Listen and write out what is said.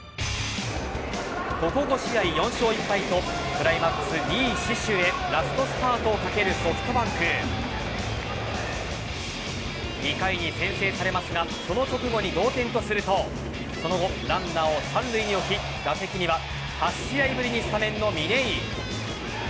ここ５試合、４勝１敗とクライマックス２位死守へラストスパートをかけるソフトバンク。２回に先制されますがその直後に同点とするとその後、ランナーを三塁に置き打席には８試合ぶりにスタメンの嶺井。